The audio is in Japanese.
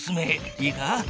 いいか。